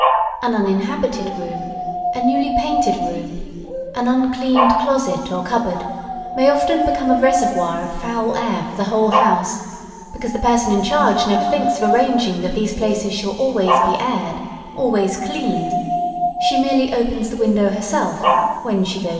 ] An uninhabited room, a newly painted room, an uncleaned closet or cupboard, may often become the reservoir of foul air for the whole house, because the person in charge never thinks of arranging that these places shall be always aired, always cleaned; she merely opens the window herself "when she goes in."